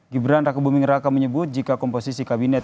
gibran rakebuming raka menyebut jika komposisi kabinet